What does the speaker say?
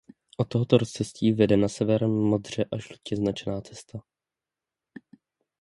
Od tohoto rozcestí vede na sever modře a žlutě značená cesta.